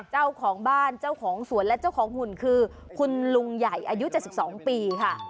เจ้าของบ้านเจ้าของสวนและเจ้าของหุ่นคือคุณลุงใหญ่อายุ๗๒ปีค่ะ